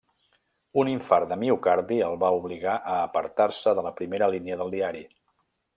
Un infart de miocardi el va obligar a apartar-se de la primera línia del diari.